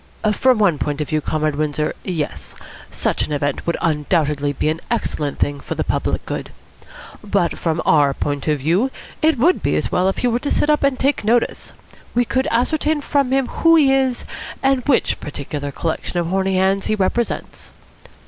"From one point of view, Comrade Windsor, yes. Such an event would undoubtedly be an excellent thing for the public good. But from our point of view, it would be as well if he were to sit up and take notice. We could ascertain from him who he is and which particular collection of horny handeds he represents.